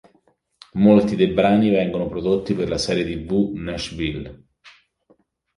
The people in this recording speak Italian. Molti dei brani vengono prodotti per la serie tv Nashville.